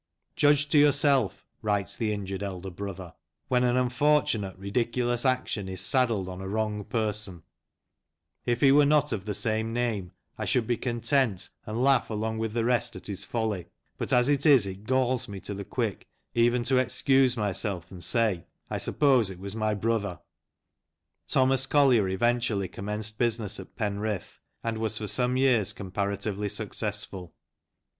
"Judge to yourself," writes the injured elder brother, "when an unfortunate, ridiculous action is saddled on a wrong person ; if he was not of the same name, I should be content, and laugh along with the rest 128 • BYGONE LANCASHIRE. at his folly ; but as it is, it galls me to the quick even to excuse myself and say, ' I suppose it was my brother.' " Thomas Collier eventually commenced business at Penrith, and was for some years comparatively successful.